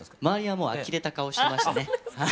周りはもうあきれた顔してましたね。